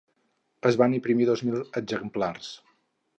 Es van imprimir dos mil exemplars.